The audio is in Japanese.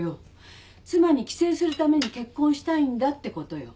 妻に寄生するために結婚したいんだってことよ。